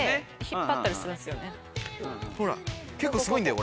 ほら結構すごいんだよ